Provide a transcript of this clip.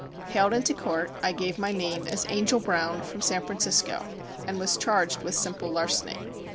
Hailed into court, I gave my name as "Angel Brown" from San Francisco, and was charged with simple larceny.